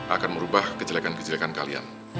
akan merubah kejelekan kejelekan kalian